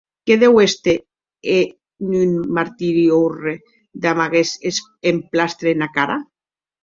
Que deu èster en un martiri òrre damb aguest emplastre ena cara.